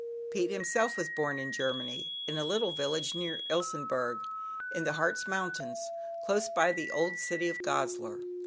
Pete, himself, was born in Germany, in a little village near Ilsenburg, in the Hartz Mountains, close by the old city of Goslar.